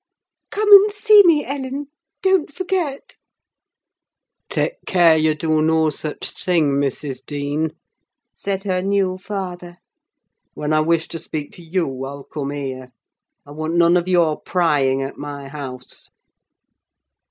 "Come and see me, Ellen; don't forget." "Take care you do no such thing, Mrs. Dean!" said her new father. "When I wish to speak to you I'll come here. I want none of your prying at my house!"